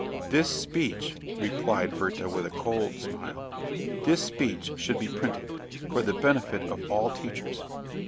"This speech," replied Werther with a cold smile, "this speech should be printed, for the benefit of all teachers.